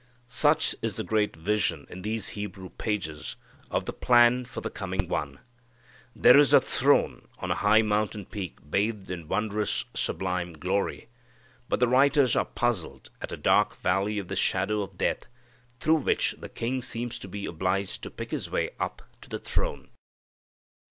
Such is the great vision in these Hebrew pages of the plan for the coming One. There is a throne on a high mountain peak bathed in wondrous sublime glory, but the writers are puzzled at a dark valley of the shadow of death through which the king seems to be obliged to pick His way up to the throne.